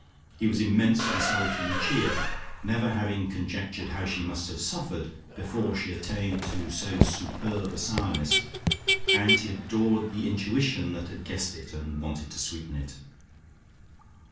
He was immensely sorry for Lucia, never having conjectured how she must have suffered before she attained to so superb a sourness, and he adored the intuition that had guessed it and wanted to sweeten it.